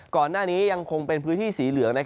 ก่อนหน้านี้ยังคงเป็นพื้นที่สีเหลือง